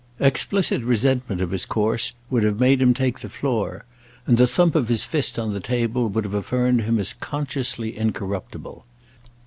Explicit resentment of his course would have made him take the floor, and the thump of his fist on the table would have affirmed him as consciously incorruptible.